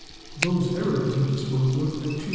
Those Errors he disposed of at 2s.